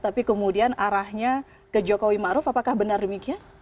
tapi kemudian arahnya ke jokowi maruf apakah benar demikian